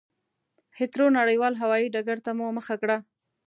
هېترو نړېوال هوایي ډګرته مو مخه کړه.